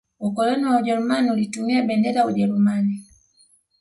ukoloni wa ujerumani ulitumia bendera ya ujeruman